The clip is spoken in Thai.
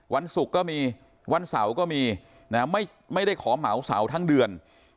วันศุกร์ก็มีวันเสาร์ก็มีนะไม่ได้ขอเหมาเสาทั้งเดือน